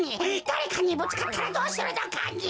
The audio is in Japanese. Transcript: だれかにぶつかったらどうするのかね。